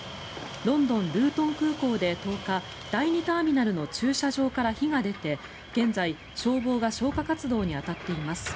ロンドン・ルートン空港で１０日第２ターミナルの駐車場から火が出て現在、消防が消火活動に当たっています。